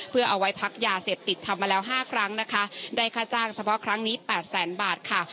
เพื่อเอาไว้พักยาเสพติดทำมาแล้วห้าครั้งนะคะได้ค่าจ้างเฉพาะครั้งนี้๘แสนบาทค่ะ